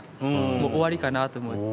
もう終わりかなと思って。